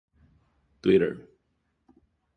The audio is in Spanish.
Twitter